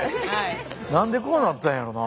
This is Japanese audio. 何でこうなったんやろなあ。